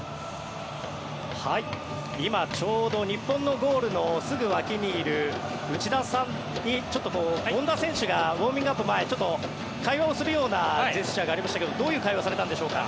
今、ちょうど日本のゴールのすぐ脇にいる内田さんにちょっと権田選手がウォーミングアップの前会話をするようなジェスチャーがありましたがどんな会話をされたんでしょうか。